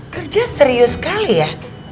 kerja serius sekali ya